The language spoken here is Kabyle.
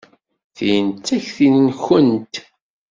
Tin d takti-nwent.